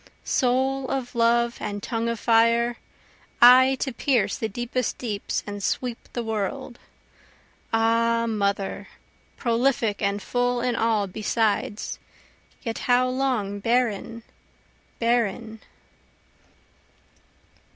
(Soul of love and tongue of fire! Eye to pierce the deepest deeps and sweep the world! Ah Mother, prolific and full in all besides, yet how long barren, barren?)